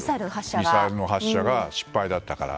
ミサイルの発射が失敗だったから。